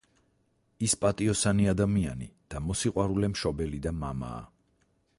ის პატიოსანი ადამიანი და მოსიყვარულე მშობელი და მამაა.